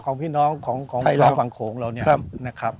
ของพี่น้องฝั่งโขงเราเนี่ย